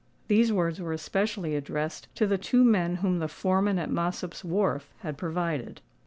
These words were especially addressed to the two men whom the foreman at Mossop's wharf had provided.